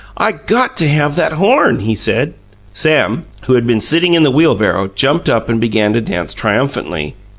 "I got to have that horn," he said. Sam, who had been sitting in the wheelbarrow, jumped up and began to dance triumphantly.